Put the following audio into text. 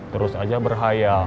terus aja berhaya